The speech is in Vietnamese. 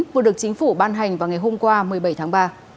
vừa được chính phủ ban hành vào ngày hôm qua một mươi bảy tháng ba